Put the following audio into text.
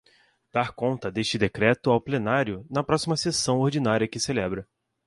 Dar conta deste decreto ao Plenário, na próxima sessão ordinária que celebra.